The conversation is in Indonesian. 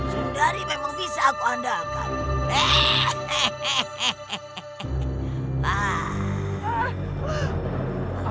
saudari memang bisa aku andalkan